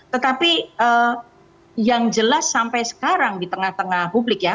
tetapi yang jelas sampai sekarang di tengah tengah publik ya